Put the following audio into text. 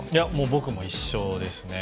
僕も一緒ですね。